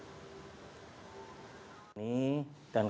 bagaimana perkembangan air di jakarta utara